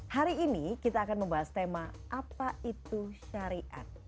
hari ini kita akan membahas tema apa itu syariat